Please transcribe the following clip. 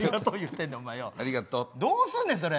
どうすんねん、それ。